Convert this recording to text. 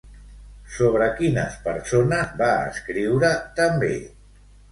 Sobre quines persones va escriure també?